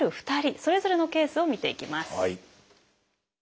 それぞれのケースを見ていきます。